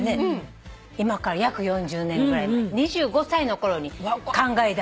今から約４０年ぐらい前２５歳のころに考えだして。